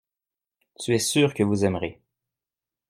Tu es sûr que vous aimerez.